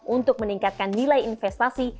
untuk meningkatkan nilai investasi